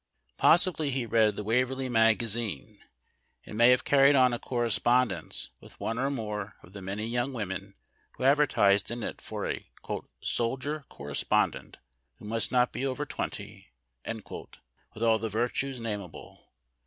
Possibly he read the Waverly Magazine., and may have carried on a correspondence with one or more of the many young women who advertised in it for a "soldier cor respo])dent, who must not be over twenty," with all the virtues namable.